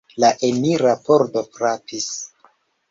La enira pordo frapis.